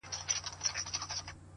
تر ننګرهار، تر کندهار ښکلی دی!.